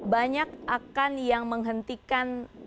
banyak akan yang menghentikan